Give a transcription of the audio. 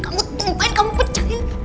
kamu tuntain kamu pecahin